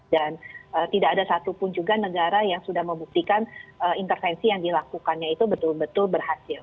dan tidak ada satupun juga negara yang sudah membuktikan intervensi yang dilakukannya itu betul betul berhasil